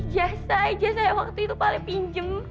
ijazah ijazah yang waktu itu paling pinjem